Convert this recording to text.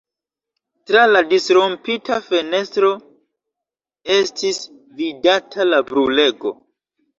Tra la disrompita fenestro estis vidata la brulego.